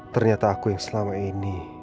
ternyata aku yang selama ini